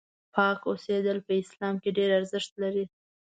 پاک اوسېدل په اسلام کې ډېر ارزښت لري.